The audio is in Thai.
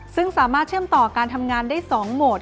ซึ่งสามารถเชื่อมต่อการทำงานได้๒โหมด